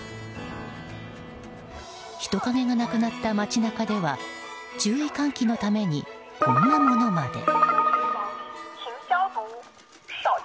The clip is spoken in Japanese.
人影がなくなった街中では注意喚起のためにこんなものまで。